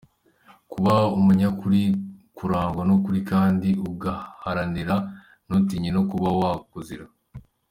Kuba umunyakuri- Kurangwa n’ukuri kandi ukaguharanira ntutinye no kuba wakuzira.